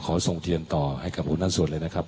ส่งเทียนต่อให้กับหัวหน้าสวดเลยนะครับ